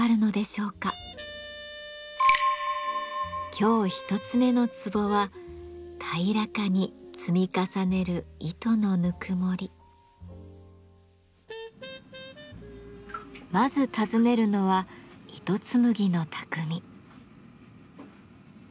今日一つ目のツボはまず訪ねるのは糸紡ぎの匠。